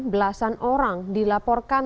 belasan orang dilaporkan